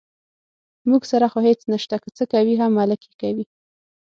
موږ سره خو هېڅ نشته، که څه کوي هم ملک یې کوي.